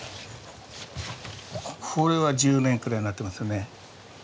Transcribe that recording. これは１０年くらいになってますよね。